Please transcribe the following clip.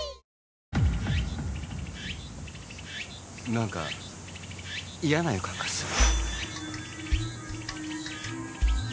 何か嫌な予感がする。